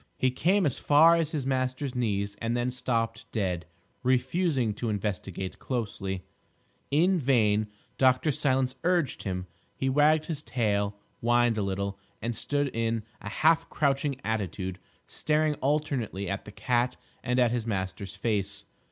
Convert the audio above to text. He came as far as his master's knees and then stopped dead, refusing to investigate closely. In vain Dr. Silence urged him; he wagged his tail, whined a little, and stood in a half crouching attitude, staring alternately at the cat and at his master's face.